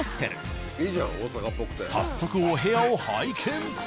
早速お部屋を拝見。